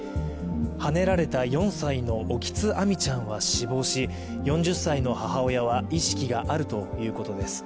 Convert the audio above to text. はねられた４歳の沖津亜海ちゃんは死亡し、４０歳の母親は意識があるということです。